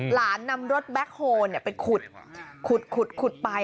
หลานนำรถแบ็คโฮล์เนี่ยไปขุดขุดขุดขุดไป